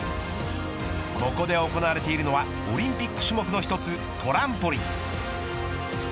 ここで行われているのはオリンピック種目の１つトランポリン。